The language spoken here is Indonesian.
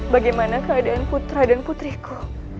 bagaimana keadaan putra dan putriku